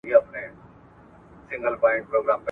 ذمي ته باید تکلیف ور نه کړل سي.